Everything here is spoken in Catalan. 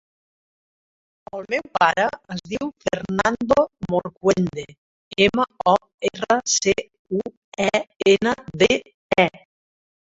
El meu pare es diu Fernando Morcuende: ema, o, erra, ce, u, e, ena, de, e.